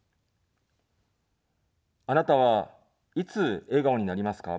あなたは、いつ笑顔になりますか。